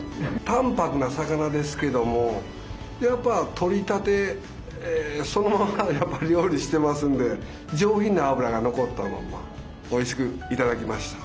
淡泊な魚ですけどもやっぱ取りたてそのままを料理してますんで上品な脂が残ったまんまおいしく頂きました。